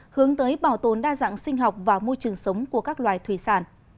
hướng tới bảo tồn đa dạng sinh học và môi trường sống của các loài thủy sản